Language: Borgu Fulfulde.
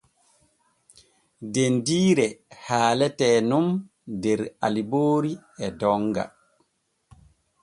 Dendiire haalete nun der Aliboori e Donga.